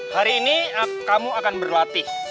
hari ini kamu akan berlatih